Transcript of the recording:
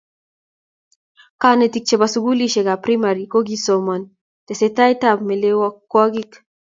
Kanetiik chebo sugulisyekab primary kokosoom teseetab melekwogiik.